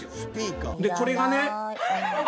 でこれがね。